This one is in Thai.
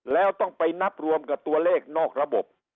แล้วต้องไปนับรวมกับตัวเลขนอกระบบ